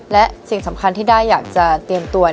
และสิ่งสำคัญที่ได้อยากจะเตรียมตัว